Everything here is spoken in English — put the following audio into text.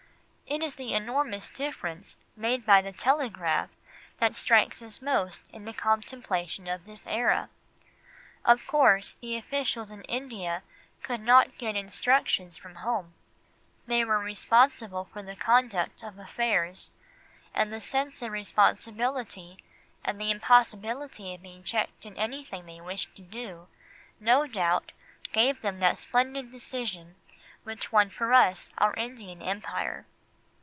It is the enormous difference made by the telegraph that strikes us most in the contemplation of this era. Of course the officials in India could not get instructions from home, they were responsible for the conduct of affairs, and the sense of responsibility and the impossibility of being checked in anything they wished to do, no doubt gave them that splendid decision which won for us our Indian Empire.